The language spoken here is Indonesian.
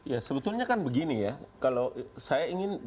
ya sebetulnya kan begini ya kalau saya ingin